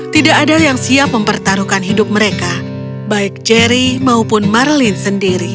tidak ada yang siap mempertaruhkan hidup mereka baik jerry maupun marlin sendiri